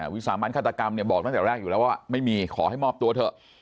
วิสามันฆาตกรรมเนี่ยบอกตั้งแต่แรกอยู่แล้วว่าไม่มีขอให้มอบตัวเถอะ